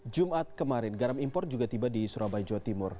jumat kemarin garam impor juga tiba di surabaya jawa timur